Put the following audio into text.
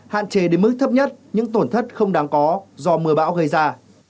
hạn chế đến mức thấp nhất những tổn thất không đáng có do mưa bão gây ra